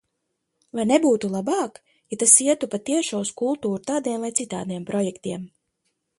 Vai nebūtu labāk, ja tas ietu pa tiešo uz kultūru tādiem vai citādiem projektiem?